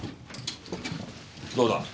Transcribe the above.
どうだ？